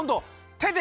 てで。